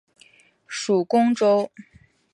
属恭州。